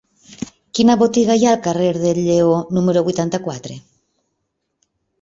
Quina botiga hi ha al carrer del Lleó número vuitanta-quatre?